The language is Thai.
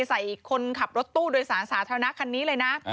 ใส่คนขับรถตู้โดยศาลเท่านักคันนี้เลยนะ